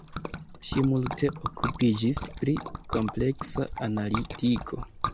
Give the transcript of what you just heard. Ŝi multe okupiĝis pri kompleksa analitiko.